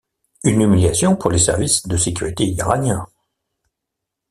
Une humiliation pour les services de sécurité iraniens.